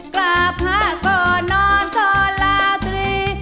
กราบพระก่อนนอนตอนลาตรี